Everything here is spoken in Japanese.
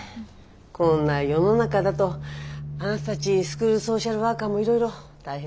こんな世の中だとあなたたちスクールソーシャルワーカーもいろいろ大変ね。